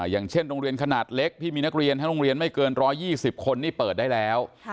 อย่างเช่นโรงเรียนขนาดเล็กที่มีนักเรียนทั้งโรงเรียนไม่เกิน๑๒๐คนนี่เปิดได้แล้ว